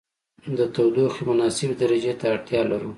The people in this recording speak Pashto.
د تودوخې مناسبې درجې ته اړتیا لرو.